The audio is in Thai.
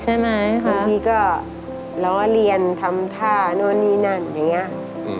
ใช่ไหมคะบางทีก็เราเรียนทำท่านู่นนี่นั่นอย่างเงี้ย